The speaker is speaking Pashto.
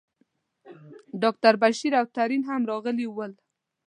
ډاکټر بشیر او ترین هم راغلي ول.